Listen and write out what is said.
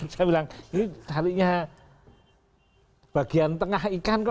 saya bilang ini seharusnya bagian tengah ikan kurang